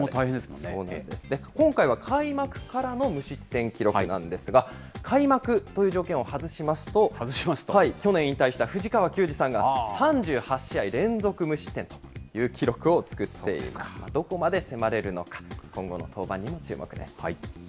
今回は開幕からの無失点記録なんですが、開幕という条件を外しますと、去年引退した藤川球児さんが、３８試合連続無失点という記録を作っているんですが、どこまで迫れるのか、今後の登板にも注目です。